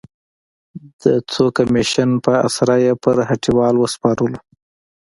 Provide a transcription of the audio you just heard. د څو کمېشن په اسره یې پر هټیوال وسپارلو.